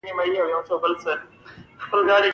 احمده تا زما پر ژرنده اوړه نه دې کړي.